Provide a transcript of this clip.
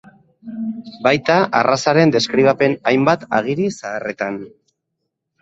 Baita arrazaren deskribapen hainbat agiri zaharretan.